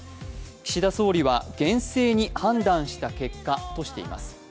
岸田総理は厳正に判断した結果としています。